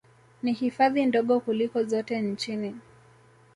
Ni hifadhi ndogo kuliko zote nchini